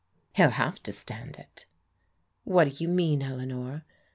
" He'll have to stand it." What do you mean, Eleanor?